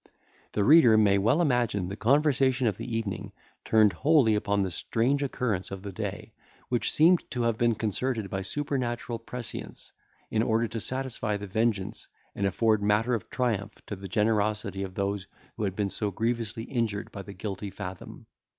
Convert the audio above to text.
The reader may well imagine the conversation of the evening turned wholly upon the strange occurrence of the day, which seemed to have been concerted by supernatural prescience, in order to satisfy the vengeance, and afford matter of triumph to the generosity of those who had been so grievously injured by the guilty Fathom.